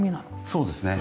そうですね。